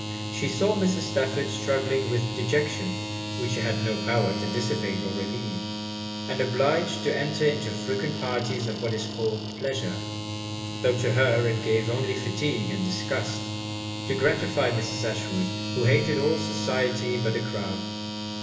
She saw Mrs. Stafford struggling with dejection which she had no power to dissipate or relieve, and obliged to enter into frequent parties of what is called pleasure, tho' to her it gave only fatigue and disgust, to gratify Mrs. Ashwood, who hated all society but a crowd.